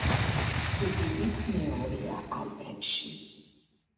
სიდიდით მეორეა ალპებში.